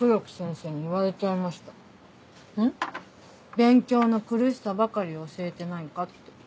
勉強の苦しさばかり教えてないかって。